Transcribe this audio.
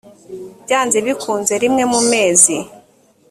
byanze bikunze rimwe mu mezi